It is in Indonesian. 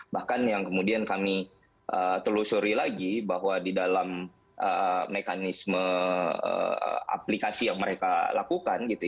bahkan yang kemudian kami telusuri lagi bahwa di dalam mekanisme aplikasi yang mereka lakukan